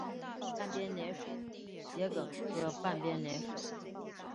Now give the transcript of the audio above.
半边莲属桔梗科半边莲属。